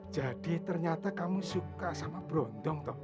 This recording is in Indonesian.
jadi ternyata kamu suka sama brondong eh